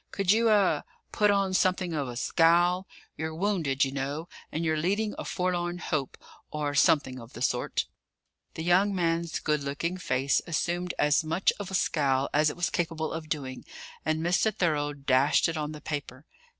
Could you er put on something of a scowl? You're wounded, you know, and you're leading a forlorn hope, or something of the sort." The young man's good looking face assumed as much of a scowl as it was capable of doing, and Mr. Thorold dashed it on the paper.